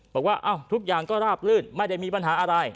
บอกว่าทุกอย่างก็ราบลื่นไม่ได้มีปัญหาอะไร